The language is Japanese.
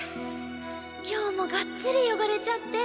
今日もがっつり汚れちゃって。